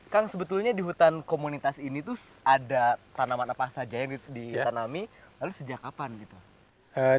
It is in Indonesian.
kang sebetulnya di hutan komunitas ini tuh ada tanaman apa saja yang ditanami lalu sejak kapan gitu